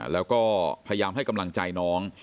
แล้วก็พยายามให้กำลังใจน้อง